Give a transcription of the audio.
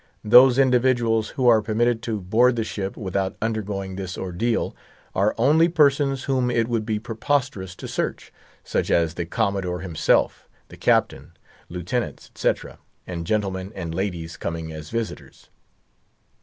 Those individuals who are permitted to board the ship without undergoing this ordeal, are only persons whom it would be preposterous to search—such as the Commodore himself, the Captain, Lieutenants, etc., and gentlemen and ladies coming as visitors.